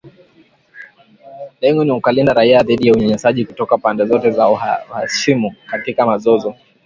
Lengo ni kuwalinda raia dhidi ya unyanyasaji kutoka pande zote za uhasimu katika mzozo